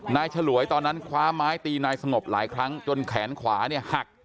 ฉลวยตอนนั้นคว้าไม้ตีนายสงบหลายครั้งจนแขนขวาเนี่ยหัก